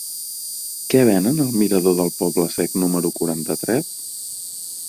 Què venen al mirador del Poble Sec número quaranta-tres?